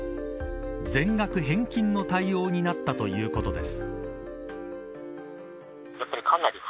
全額返金の対応になったということです。